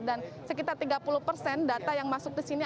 dan sekitar tiga puluh persen data yang masuk di sini